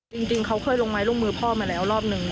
จริงเขาเคยลงไม้ลงมือพ่อมาแล้วรอบนึง